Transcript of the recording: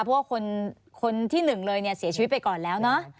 เพราะว่าคนที่หนึ่งเลยเนี่ยเสียชีวิตไปก่อนแล้วเนอะ